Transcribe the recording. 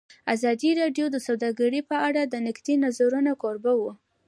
ازادي راډیو د سوداګري په اړه د نقدي نظرونو کوربه وه.